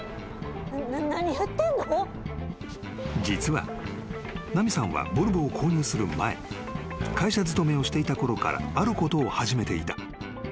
［実は奈美さんはボルボを購入する前会社勤めをしていたころからあることを始めていた］